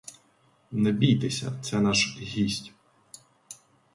Не бійтеся, це наш гість.